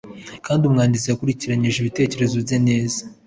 kandi umwanditsi yakurikiranyije ibitekerezo bye neza